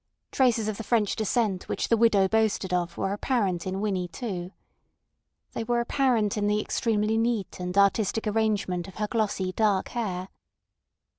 Traces of the French descent which the widow boasted of were apparent in Winnie too. They were apparent in the extremely neat and artistic arrangement of her glossy dark hair.